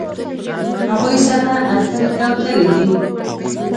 هغوی سره اتۀ کوترې دي